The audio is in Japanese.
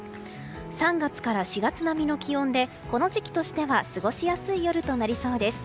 ３月から４月並みの気温でこの時期としては過ごしやすい夜となりそうです。